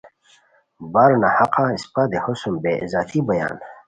برناحقہ اِسپہ دیہو سُم بے عزتی بویان